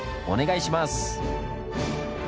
お願いします！